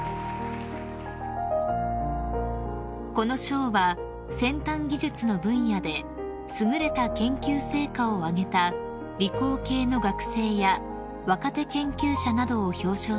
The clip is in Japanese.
［この賞は先端技術の分野で優れた研究成果を挙げた理工系の学生や若手研究者などを表彰するものです］